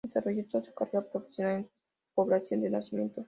Desarrolló toda su carrera profesional en su población de nacimiento.